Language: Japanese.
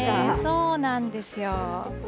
そうなんですよ。